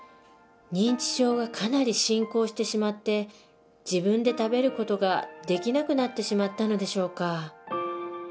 認知症がかなり進行してしまって自分で食べる事ができなくなってしまったのでしょうか